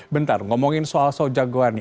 bentar ngomongin soal soejang goan ini